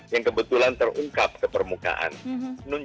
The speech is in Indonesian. yang kebetulan terungkap ke permukaan